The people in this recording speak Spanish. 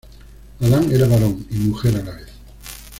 Adan era varón y mujer a la vez.